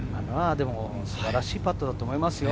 素晴らしいパットだと思いますよ。